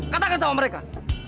katakan sama mereka